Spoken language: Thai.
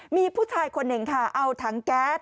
มีผู้ชายคนหนึ่งค่ะเอาถังแก๊ส